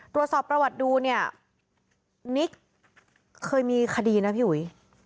ตรวจสอบประวัติดูเนี่ยนิกเคยมีคดีนะพี่อุ๋ย